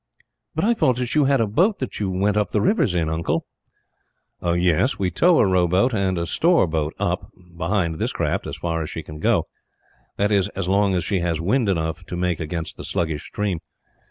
"But I thought that you had a boat that you went up the rivers in, uncle?" "Yes; we tow a rowboat and a store boat up, behind this craft, as far as she can go; that is, as long as she has wind enough to make against the sluggish stream.